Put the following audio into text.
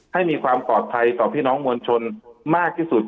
ให้มีความปลอดภัยต่อพี่น้องมวลชนมากที่สุด